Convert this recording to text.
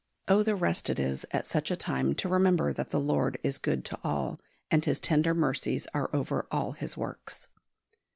Oh, the rest it is at such a time to remember that the Lord is good to all, and His tender mercies are over all His works.